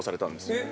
えっ？